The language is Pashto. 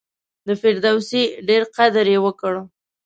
د فردوسي ډېر قدر یې وکړ.